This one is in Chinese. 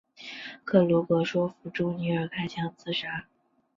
克鲁格说服朱尼尔开枪自杀。